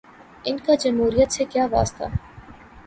ان کا جمہوریت سے کیا واسطہ۔